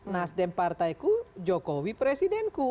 nasdem partai ku jokowi presiden ku